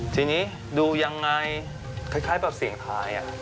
ทีนี้ดูอย่างไรคล้ายแบบเสียงไทย